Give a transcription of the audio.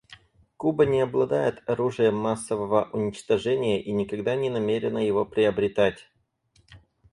Куба не обладает оружием массового уничтожения и никогда не намерена его приобретать.